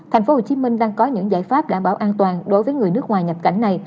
tp hcm đang có những giải pháp đảm bảo an toàn đối với người nước ngoài nhập cảnh này